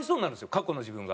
過去の自分が。